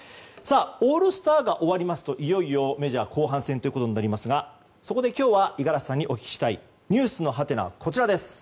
オールスターが終わりますといよいよメジャー後半戦ですがそこで今日は五十嵐さんにお聞きしたいｎｅｗｓのハテナはこちら。